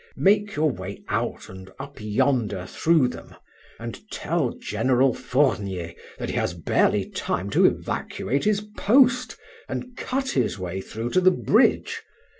Make your way out and up yonder through them, and tell General Fournier that he has barely time to evacuate his post and cut his way through to the bridge.